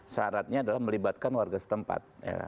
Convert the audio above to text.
syaratnya adalah melibatkan warga setempat